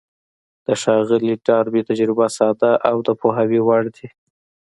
د ښاغلي ډاربي تجربې ساده او د پوهاوي وړ دي.